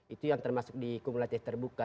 itu yang termasuk di kumulatif terbuka